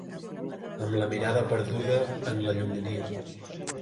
Amb la mirada perduda en la llunyania.